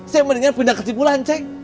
saya mendingan pindah ke cipulahan cek